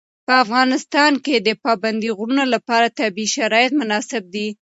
په افغانستان کې د پابندی غرونه لپاره طبیعي شرایط مناسب دي.